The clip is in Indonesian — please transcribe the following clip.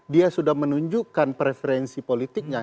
dia sudah menunjukkan preferensi politiknya